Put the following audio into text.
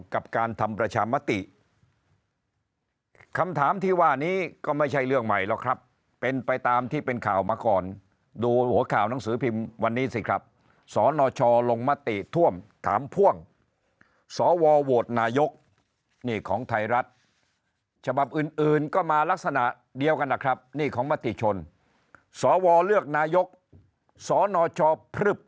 กับการทำประชามติคำถามที่ว่านี้ก็ไม่ใช่เรื่องใหม่หรอกครับเป็นไปตามที่เป็นข่าวมาก่อนดูหัวข่าวหนังสือพิมพ์วันนี้สิครับสนชลงมติท่วมถามพ่วงสวโหวตนายกนี่ของไทยรัฐฉบับอื่นก็มาลักษณะเดียวกันนะครับนี่ของมติชนสวเลือกนายกสนชพรึบ